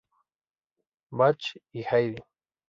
Bach y Haydn.